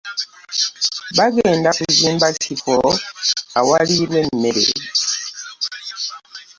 Bagenda kuzimba ekifo awaliirwa emmeere